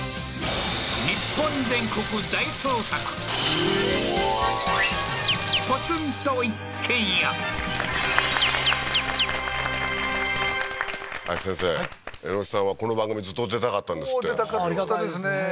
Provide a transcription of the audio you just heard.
ふふふっおいしい今夜も林先生榎木さんはこの番組ずっと出たかったんですってありがたいですね